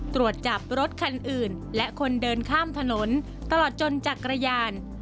ตรวจจับรถคันอื่นและคนเดินข้ามถนนตลอดจนจักรยาน